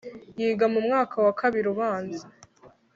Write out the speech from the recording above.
yiga mu mwaka wa kabiri ubanza